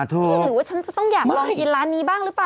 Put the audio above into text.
หรือว่าฉันจะต้องอยากลองกินร้านนี้บ้างหรือเปล่า